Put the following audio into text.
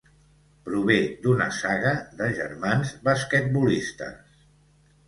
Prové d'una saga de germans basquetbolistes.